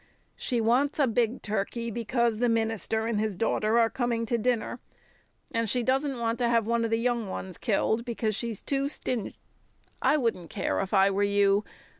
"She wants a big turkey, because the minister and his daughter are coming to dinner, and she doesn't want to have one of the young ones killed, because she is too stin " "I wouldn't care if I were you.